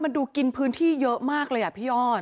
มันดูกินพื้นที่เยอะมากเลยอ่ะพี่อ้อน